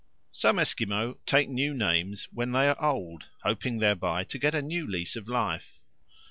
Some Esquimaux take new names when they are old, hoping thereby to get a new lease of life.